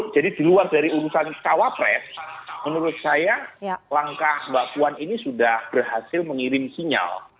jadi di luar dari urusan tawa pres menurut saya langkah mbak puan ini sudah berhasil mengirim sinyal